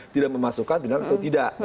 tidak memasukkan benar atau tidak